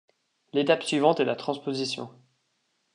L'étape suivante est la transposition.